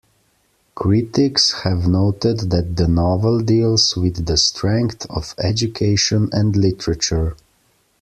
Critics have noted that the novel deals with the strength of education and literature.